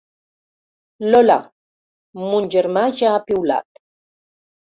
Lola, mon germà ja ha piulat.